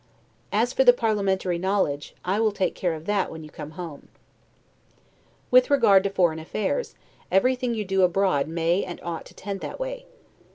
As for the parliamentary knowledge, I will take care of that when you come home. With regard to foreign affairs, everything you do abroad may and ought to tend that way.